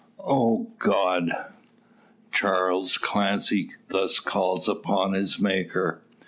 "O God!" Charles Clancy thus calls upon his Maker.